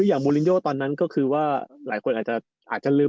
ส่วยอย่างแหล่วตอนนั้นก็คือว่าหลายคนอาจจะอาจจะลืม